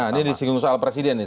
ini disinggung soal presiden nih